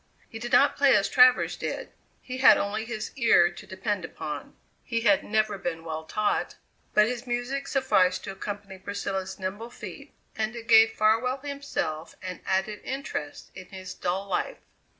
He did not play as Travers did he had only his ear to depend upon; he had never been well taught but his music sufficed to accompany Priscilla's nimble feet, and it gave Farwell himself an added interest in his dull life.